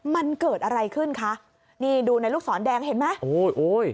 มันเกิดอะไรขึ้นคะนี่ดูในลูกศรแดงเห็นไหมโอ้ยโอ้โอ้ย